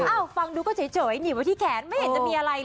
ฟังดูก็เฉยหนีบไว้ที่แขนไม่เห็นจะมีอะไรเลย